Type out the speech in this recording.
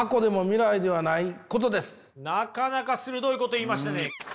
なかなか鋭いこと言いましたね。